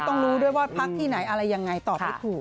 รู้ด้วยว่าพักที่ไหนอะไรยังไงตอบไม่ถูก